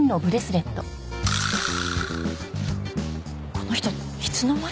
この人いつの間に？